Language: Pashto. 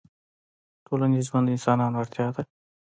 ټولنیز ژوند د انسانانو اړتیا ده